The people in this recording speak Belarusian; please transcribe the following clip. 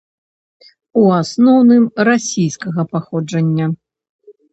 У асноўным, расійскага паходжання.